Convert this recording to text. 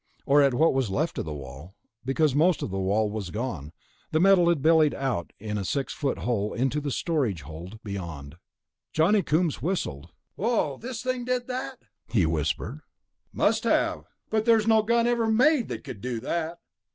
Or at what was left of the wall, because most of the wall was gone. The metal had bellied out in a six foot hole into the storage hold beyond.... Johnny Coombs whistled. "This thing did that?" he whispered. "It must have...." "But there's no gun ever made that could do that."